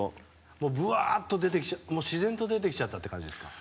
もうブワーっと出てきちゃった自然と出てきちゃったって感じですか？